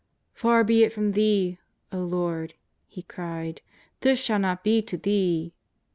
^'Par be it from Thee, O Lord," he cried, " this shall not be to Thee."